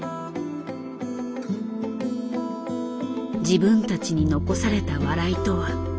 自分たちに残された笑いとは。